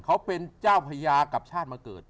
เขาเป็นเจ้าพญากับชาติมาเกิด